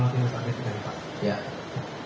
kalau tidak pak dia tidak dapat